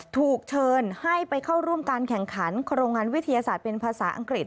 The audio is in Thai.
ถูกเชิญให้ไปเข้าร่วมการแข่งขันโครงงานวิทยาศาสตร์เป็นภาษาอังกฤษ